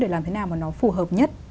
để làm thế nào mà nó phù hợp nhất